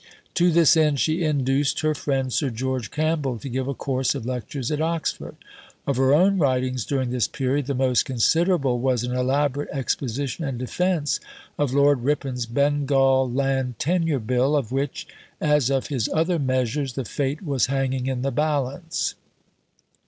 To this end she induced her friend, Sir George Campbell, to give a course of lectures at Oxford. Of her own writings during this period the most considerable was an elaborate exposition and defence of Lord Ripon's Bengal Land Tenure Bill, of which, as of his other measures, the fate was hanging in the balance.